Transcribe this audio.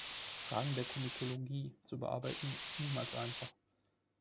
Fragen der Komitologie zu bearbeiten, ist niemals einfach.